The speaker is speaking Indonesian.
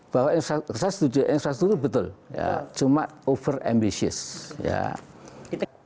bahwa saya setuju infrastruktur itu betul ya cuma over ambitious ya